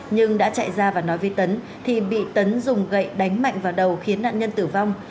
nhưng đã chạy ra và nói với tấn thì bị tấn dùng gậy đánh mạnh vào đầu khiến nạn nhân tử vong